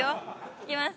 いきます。